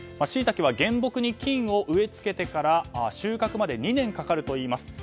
シイタケは原木に菌を植え付けてから収穫まで２年かかるといいます。